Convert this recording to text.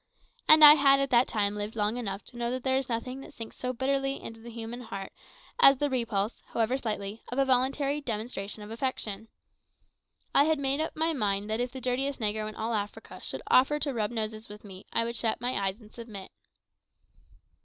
And I had at that time lived long enough to know that there is nothing that sinks so bitterly into the human heart as the repulse, however slightly, of a voluntary demonstration of affection. I had made up my mind that if the dirtiest negro in all Africa should offer to rub noses with me, I would shut my eyes and submit.